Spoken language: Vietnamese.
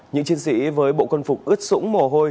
những chiến sĩ với bộ quân phục ướt sũng mồ hôi